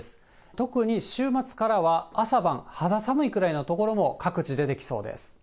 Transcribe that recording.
特に週末からは朝晩、肌寒いくらいの所も各地出てきそうです。